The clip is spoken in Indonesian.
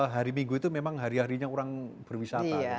hari minggu itu memang hari harinya orang berwisata